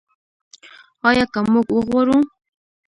آیا که موږ وغواړو؟